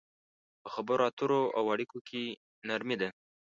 په خبرو اترو او اړيکو کې نرمي ده.